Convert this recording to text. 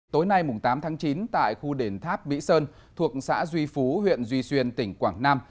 tối nay tám tháng chín tại khu đền tháp mỹ sơn thuộc xã duy phú huyện duy xuyên tỉnh quảng nam